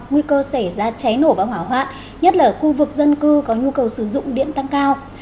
nguy cơ xảy ra cháy nổ và hỏa hoạn nhất là ở khu vực dân cư có nhu cầu sử dụng điện tăng cao